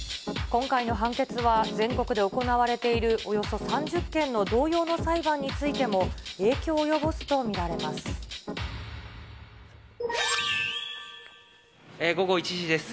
今回の判決は、全国で行われているおよそ３０件の同様の裁判についても、影響を午後１時です。